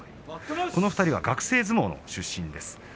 この２人は学生相撲出身です。